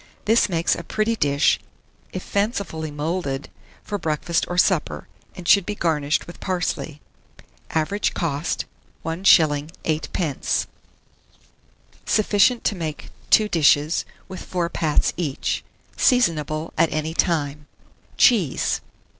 This makes a pretty dish, if fancifully moulded, for breakfast or supper, and should be garnished with parsley. Average cost, 1s. 8d. Sufficient to make 2 dishes, with 4 pats each. Seasonable at any time. CHEESE.